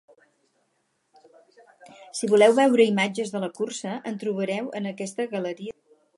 Si voleu veure imatges de la cursa en trobareu en aquesta galeria de fotos.